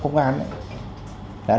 là lực lượng vũ trang